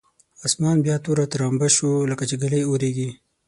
اسمان بیا توره ترامبه شو لکچې ږلۍ اورېږي.